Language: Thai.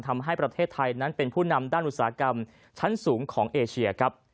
ทำให้ประเทศไทยนั้นเป็นผู้นำด้านอุตสาหกรรมชั้นสูงของเอเชียครับ